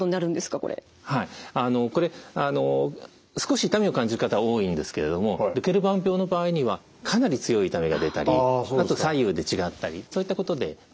これ少し痛みを感じる方多いんですけれどもドケルバン病の場合にはかなり強い痛みが出たりあと左右で違ったりそういったことで見分ける。